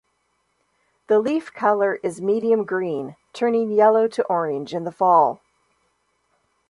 The leaf color is medium green, turning yellow to orange in the fall.